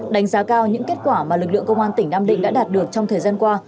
đánh giá cao những kết quả mà lực lượng công an tỉnh nam định đã đạt được trong thời gian qua